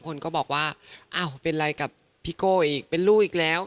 คนก็บอกว่าอ้าวเป็นไรกับพี่โก้อีกเป็นลูกอีกแล้ว